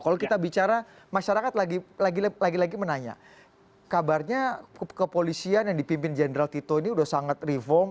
kalau kita bicara masyarakat lagi lagi menanya kabarnya kepolisian yang dipimpin jenderal tito ini sudah sangat reform